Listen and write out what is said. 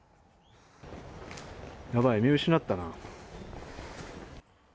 やばい、見失ったな。